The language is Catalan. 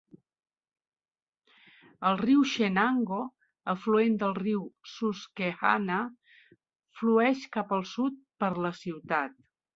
El riu Chenango, afluent del riu Susquehanna, flueix cap al sud per la ciutat.